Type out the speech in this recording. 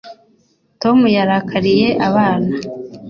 tom yarakariye abana